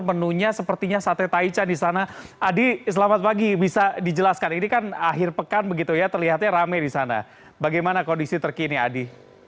menunya sepertinya sate taichan di sana adi selamat pagi bisa dijelaskan ini kan akhir pekan begitu ya terlihatnya rame di sana bagaimana kondisi terkini adi